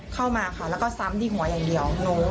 เข้ามาค่ะแล้วก็ซ้ำที่หัวอย่างเดียว